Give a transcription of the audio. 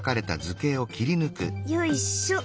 よいしょ！